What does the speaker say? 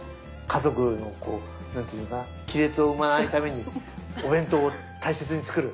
家族のこう何ていうのかな亀裂を生まないためにお弁当を大切に作る。